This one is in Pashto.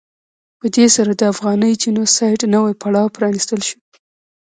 په دې سره د افغاني جینو سایډ نوی پړاو پرانستل شو.